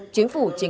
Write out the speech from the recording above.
chính phủ trình khám